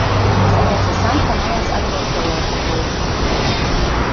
Самец і самка маюць аднолькавую афарбоўку.